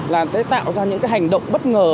là tạo ra những hành động bất ngờ